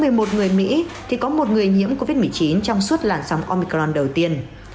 vì một người mỹ thì có một người nhiễm covid một mươi chín trong suốt làn sóng omicron đầu tiên